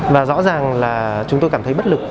và rõ ràng là chúng tôi cảm thấy bất lực